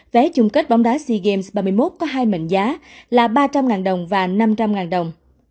vé chung kết bóng đá sea games ba mươi một có hai mệnh giá là ba trăm linh đồng và năm trăm linh đồng